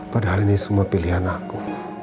padahal ini semua pilihan aku